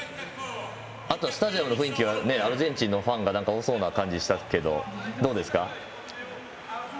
あと、スタジアムの雰囲気はアルゼンチンのファンが多そうな感じでしたけどどうですか？